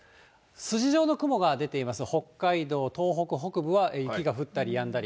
筋状の雲が出ています、北海道、東北北部は雪が降ったりやんだり。